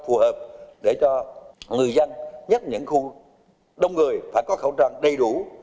phù hợp để cho người dân nhất những khu đông người phải có khẩu trang đầy đủ